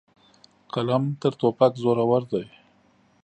قلم تر توپک زورور دی.